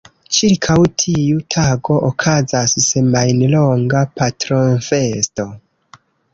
Ĉirkaŭ tiu tago okazas semajnlonga patronfesto.